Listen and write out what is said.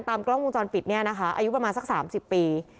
กล้องวงจรปิดเนี่ยนะคะอายุประมาณสัก๓๐ปี